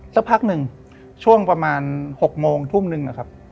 สักพักหนึ่งช่วงประมาณ๖โมงทุ่มหนึ่ง